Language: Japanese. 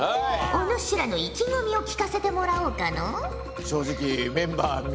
おぬしらの意気込みを聞かせてもらおうかのう？